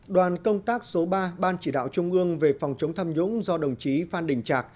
đoàn công tác số ba ban chỉ đạo trung ương về phòng chống tham nhũng do đồng chí phan đình trạc